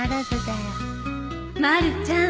まるちゃん